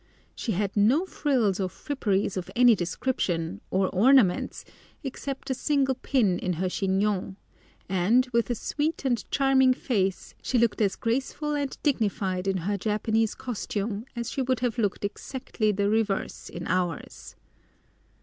She had no frills or fripperies of any description, or ornaments, except a single pin in her chignon, and, with a sweet and charming face, she looked as graceful and dignified in her Japanese costume as she would have looked exactly the reverse in ours.